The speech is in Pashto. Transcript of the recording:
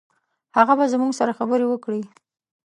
هغه به زموږ سره خبرې وکړي.